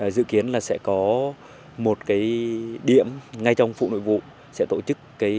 dự kiến là sẽ có một điểm ngay trong phủ nội vụ